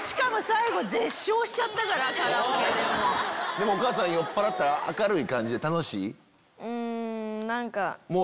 でもお母さん酔ったら明るい感じで楽しい？